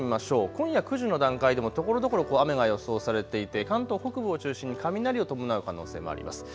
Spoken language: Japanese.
今夜９時の段階でもところどころ雨が予想されていて関東北部を中心に雷を伴う可能性もあります。